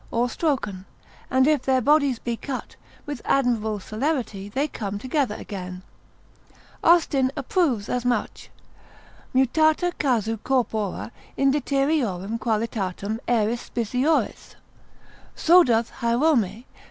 or stroken: and if their bodies be cut, with admirable celerity they come together again. Austin, in Gen. lib. iii. lib. arbit., approves as much, mutata casu corpora in deteriorem qualitatem aeris spissioris, so doth Hierome.